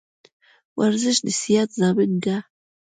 ورزش دصیحت زامین ده